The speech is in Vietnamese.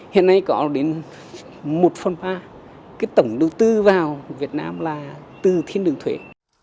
hiện nay có đến một phần ba tổng đầu tư vào việt nam là từ thiên đường thuế